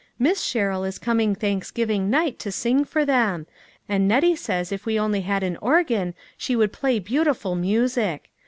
Miss Sherrill is coming Thanksgiving night to sing for them ; and Nettie says if we only had an organ she would play beautiful music.